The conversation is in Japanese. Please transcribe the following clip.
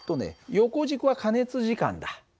横軸は加熱時間だ。